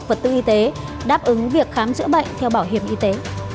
vật tư y tế đáp ứng việc khám chữa bệnh theo bảo hiểm y tế